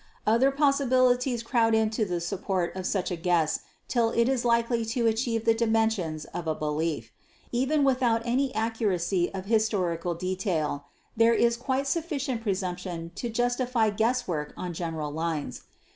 Other possibilities crowd in to the support of such a guess till it is likely to achieve the dimensions of a belief. Even without any accuracy of historical detail there is quite sufficient presumption to justify guess work on general lines.